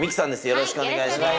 よろしくお願いします！